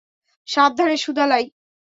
সাবধানে, সুদালাই।